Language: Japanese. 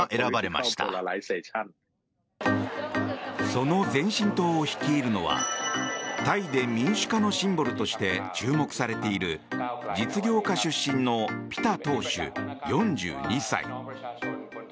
その前進党を率いるのはタイで民主化のシンボルとして注目されている実業家出身のピタ党首、４２歳。